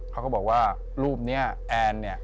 เขาก็บอกว่ารูปนี้แอนเนี่ย